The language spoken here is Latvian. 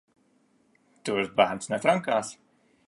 Tu vairs bērnus netrenkāsi?